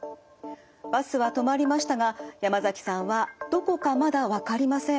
バスは止まりましたが山崎さんはどこかまだわかりません。